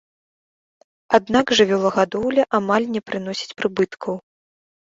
Аднак жывёлагадоўля амаль не прыносіць прыбыткаў.